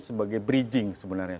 sebagai bridging sebenarnya